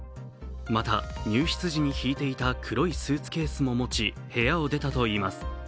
また入室時に引いていた黒いスーツケースも持ち部屋を出たといいます。